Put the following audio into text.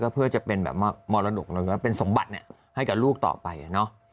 ก็เพื่อจะเป็นแบบมรดกเป็นสมบัติเนี่ยให้กับลูกต่อไปเนอะ